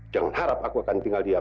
jangan harap aku akan tinggal diam